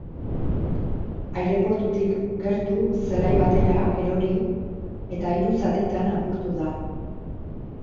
Aireportutik gertu zelai batera erori eta hiru zatitan apurtu da.